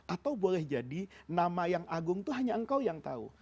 atau boleh jadi nama yang agung itu hanya engkau yang tahu